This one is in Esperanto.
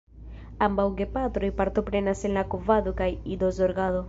Ambaŭ gepatroj partoprenas en la kovado kaj idozorgado.